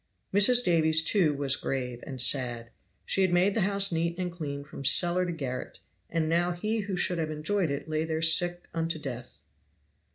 Mrs. Davies, too, was grave and sad. She had made the house neat and clean from cellar to garret, and now he who should have enjoyed it lay there sick unto death.